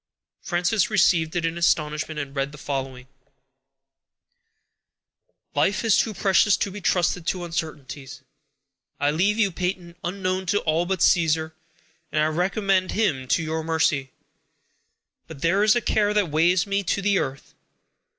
Frances received it in astonishment, and read the following: _"Life is too precious to be trusted to uncertainties. I leave you, Peyton, unknown to all but Caesar, and I recommend him to your mercy. But there is a care that weighs me to the earth.